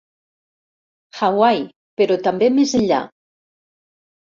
Hawaii, però també més enllà.